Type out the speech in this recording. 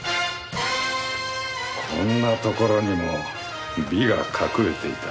こんなところにも美が隠れていた。